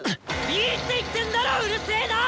いいって言ってんだろウルセーな！